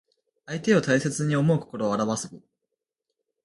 相手を大切に思う心をあらわす語。